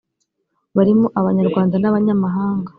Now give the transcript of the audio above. barimo abanyarwanda n’abanyamahanga